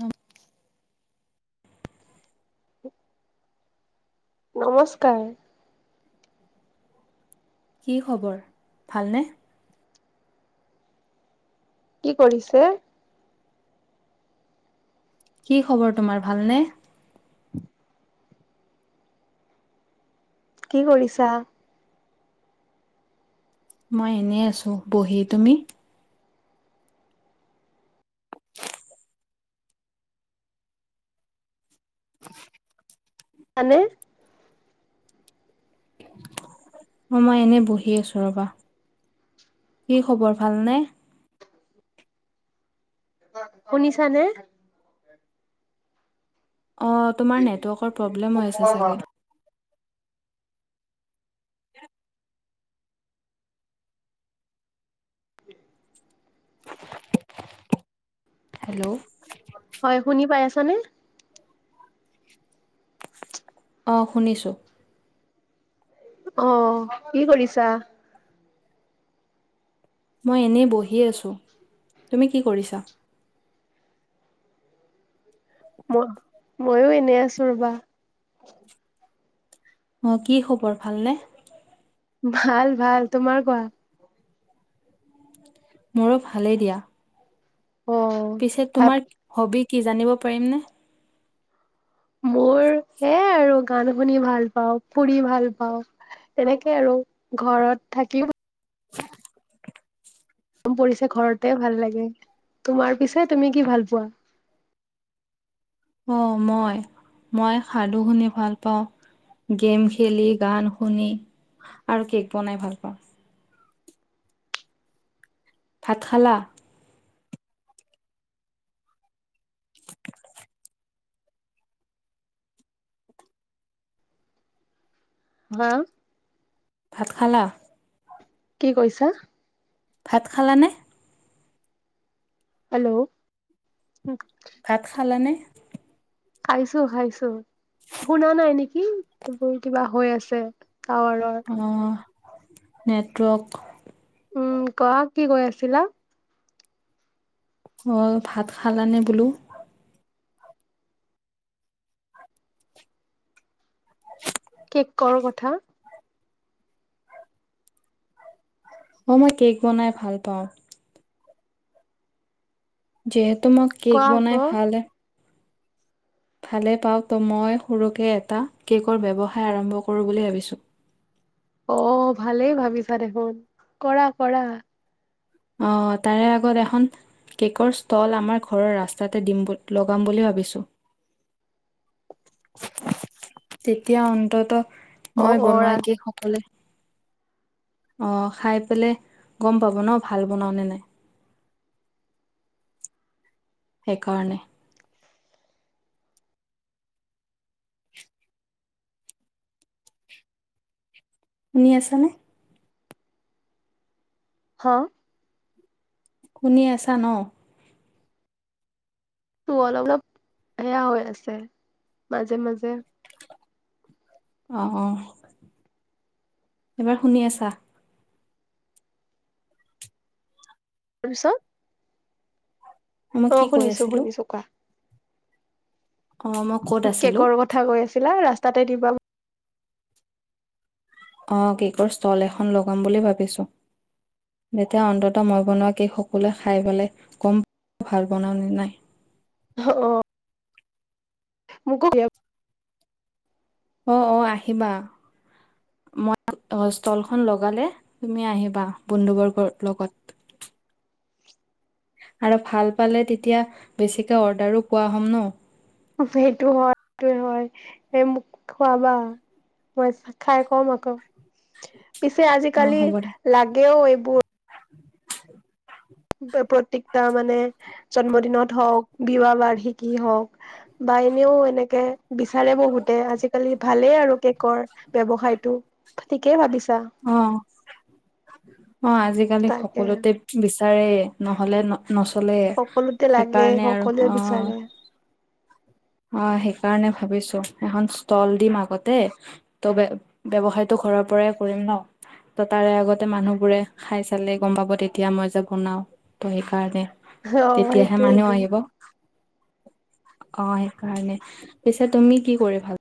উম [unintelligible] নমস্কাৰ কি খবৰ ভালনে? কি কৰিছে? কি খবৰ তোমাৰ ভালনে? কি কৰিছা? মই এনেই আছো বহি তুমি? এনে অ', মই এনে বহি আছো ৰবা, কি খবৰ ভালনে? অ', শুনিছা নে? অ', তোমাৰ নেটৱৰ্কৰ প্ৰব্লেম হৈ আছে চাগে। এ [unintelligible] [unintelligible] হেল্ল' হয় শুনি পাই আছা নে? অ', শুনিছো। অ', কি কৰিছা? মই এনেই বহি আছো তুমি কি কৰিছা? মই ময়ো এনে আছোঁ ৰবা। অ', কি খবৰ ভালনে? ভাল ভাল তোমাৰ কোৱা? মোৰো ভালেই দিয়া। অ পিছে ভাত তোমাৰ হবি কি জানিব পাৰিমনে? মোৰ এয়ে আৰু গান শুনি ভাল পাওঁ, ফুৰি ভাল পাওঁ তেনেকে আৰু ঘৰত থাকিও গৰম পৰিছে ঘৰতে ভাল লাগে তোমাৰ পিছে তুমি কি ভাল পোৱা? অ' মই মই সাধু শুনি ভাল পাওঁ। গেম খেলি, গান শুনি আৰু কেক বনাই ভাল পাওঁ। ভাত খালা? হা ভাত খালা? কি কৈছা? ভাত খালানে? হেল্ল'। ভাত খালানে? খাইছোঁ, খাইছোঁ শুনা নাই নেকি? এই কিবা হৈ আছে। টাৱাৰৰ। অ', নেটৱৰ্ক। উম, কোৱা, কি কৈ আছিলা? অ', ভাত খালানে বোলো? কিকৰো কথা। অ', মই কেক বনাই ভাল পাওঁ। যিহেতু মোক কেক কোৱা বনাই আকৌ ভাল ভালে পাওঁ ত' মই সৰুকে এটা কেকৰ ব্যৱসায় আৰম্ভ কৰোঁ বুলি ভাবিছোঁ। অ', ভালেই ভাবিছা দেখোন, কৰা, কৰা। অ', তাৰে আগত এখন কেক'ৰ ষ্টল আমাৰ ঘৰৰ ৰাস্তাতে দিম লগাম বুলি ভাবিছোঁ। তেতিয়া অন্তত অ মই অ বনোৱা ৰাজ কেক সকলে অ', খাই পেলাই গম পাব ন' ভাল বনাও নে নাই। সেইকাৰণে। শুনি আছানে? হা? শুনি আছা ন'? টো অলপ অলপ সেয়া হৈ আছে, মাজে মাজে। অ', অ', এবাৰ শুনি আছা? তাপিছত। মই কি অ', কৈ শুনিছোঁ, আছিলো শুনিছোঁ কোৱা। অ মই ক'ত আছিলো কেকৰ কথা কৈ আছিলা ৰাস্তাতে দিবা অ', কেকৰ ষ্টল এখন লগাম বুলি ভাবিছোঁ। তেতিয়া অন্তত মই বনোৱা কেক সকলোৱে খাই পেলাই কম ভাল বনাওঁ নে নাই। অহ মোকো [inaudible] অ', অ', আহিবা। মই অ', ষ্টলখন লগালে তুমি আহিবা বন্ধু বৰ্গৰ লগত। আৰু ভাল পালে তেতিয়া বেছিকৈ অৰ্ডাৰো পোৱা হ'ম ন? সেইটো হয়, সেইটো হয়, এই মোক খোৱাবা। মই খাই কম আকৌ। পিছে, অ আজিকালি হ'ব দে লাগেও এইবোৰ প্ৰত্যেকতা মানে জন্মদিনত হওঁক বিবাহ বাৰ্ষিকী হওঁক বা এনেও এনেকে বিচাৰে বহুতে আজিকালি ভালেই আৰু কেকৰ ব্যৱসায়টো, ঠিকেই ভাবিছ অ'। অ', আজিকালি তাকে সকলোতে বিচাৰে নহ'লে ন নচলে, সকলোতে লাগে সেইকাৰণে আৰু সকলোৱে অ'। বিচাৰে অ' সেইকাৰণে ভাবিছো এখন ষ্টল দিম আগতে ত' বে ব্যৱসায়টো ঘৰৰ পৰাই কৰিম ন। ত' তাৰে আগতে মানুহ বোৰে খাই চালে গম পাব তেতিয়া মই যে বনাও ত সেইকাৰণে। অ তেতিয়াহে মানুহ সেইটোয়েইটো আহিব। অ', সেইকাৰণে পিছে তুমি কি কৰি ভাল